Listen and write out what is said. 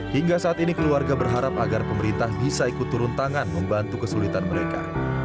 hingga saat ini keluarga berharap agar pemerintah bisa ikut turun tangan membantu kesulitan mereka